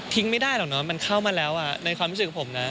ไม่ได้หรอกเนอะมันเข้ามาแล้วในความรู้สึกผมนะ